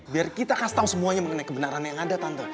biar kita kasih tahu semuanya mengenai kebenaran yang ada tante